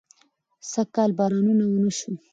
سږکال بارانونه ونه شو